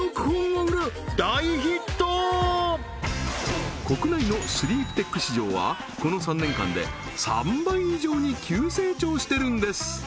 わずか国内のスリープテック市場はこの３年間で３倍以上に急成長してるんです